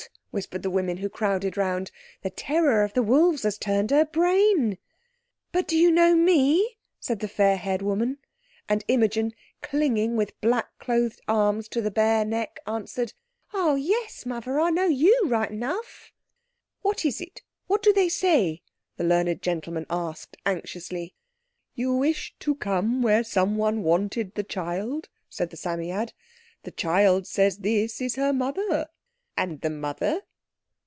whispered the women who crowded round, "the terror of the wolves has turned her brain." "But you know me?" said the fair haired woman. And Imogen, clinging with black clothed arms to the bare neck, answered— "Oh, yes, mother, I know you right 'nough." "What is it? What do they say?" the learned gentleman asked anxiously. "You wished to come where someone wanted the child," said the Psammead. "The child says this is her mother." "And the mother?"